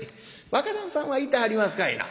「若旦さんはいてはりますかいな」。